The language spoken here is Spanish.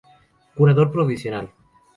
Curador provisional.